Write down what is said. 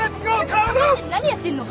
何やってんの。